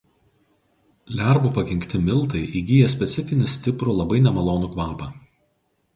Lervų pakenkti miltai įgyja specifinį stiprų labai nemalonų kvapą.